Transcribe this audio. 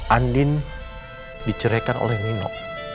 andin dicerahkan oleh nino